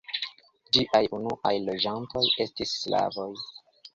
Ĝiaj unuaj loĝantoj estis slavoj.